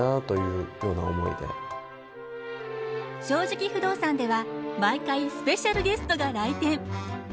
「正直不動産」では毎回スペシャルゲストが来店。